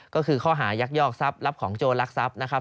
ก็คือข้อหายักยอกซับรับของโจรรักษาซับนะครับ